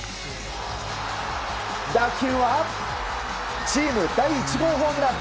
打球はチーム第１号ホームラン。